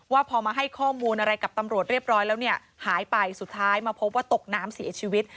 ว่าพอมาให้ข้อมูลอะไรกับตำรวจเรียบร้อยแล้วเนี่ยหายไปสุดท้ายมาพบว่าตกน้ำเสียชีวิต